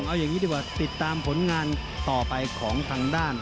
เอาอย่างนี้ดีกว่าติดตามผลงานต่อไปของทางด้าน